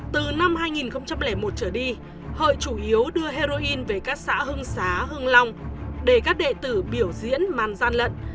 từ năm hai nghìn một trở đi hợi chủ yếu đưa heroin về các xã hưng xá hưng long để các đệ tử biểu diễn màn gian lận